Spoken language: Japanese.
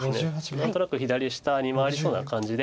何となく左下に回りそうな感じではあります。